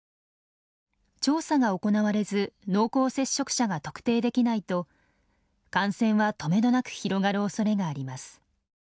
調査が行われず濃厚接触者が特定できないと感染はとめどなく広がるおそれがあります。